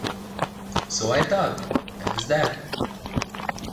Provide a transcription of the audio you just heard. So I thought, 'That's that!